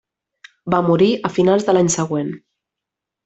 Va morir a finals de l'any següent.